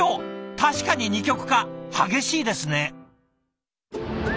確かに二極化激しいですね。